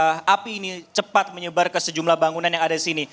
sehingga api ini cepat menyebar ke sejumlah bangunan yang ada di sini